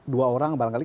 dua orang barangkali